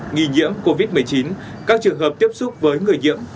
nghi nhiễm covid một mươi chín các trường hợp tiếp xúc với người nhiễm